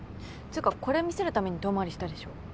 つうかこれ見せるために遠回りしたでしょ？